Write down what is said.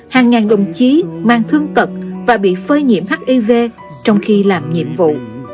hàng ngàn đồng chí mang thương tật và bị phơi nhiễm hiv trong khi làm nhiệm vụ